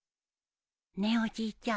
ねえおじいちゃん。